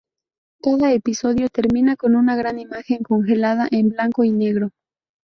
Cada episodio termina con una imagen congelada en blanco y negro.